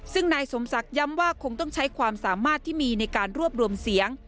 ซึ่งนายสมศักดิ์ย้ำว่าคงต้องใช้ความสามารถที่มีในการรวบรวมเสียง